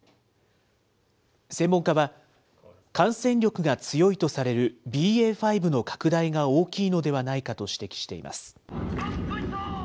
専門家は、感染力が強いとされるＢＡ．５の拡大が大きいのではないかと指摘しています。